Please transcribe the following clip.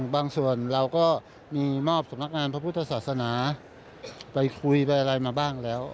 บางส่วนเราก็มีมอบสำนักงานพระพุทธศาสนาไปคุยไปอะไรมาบ้างแล้ว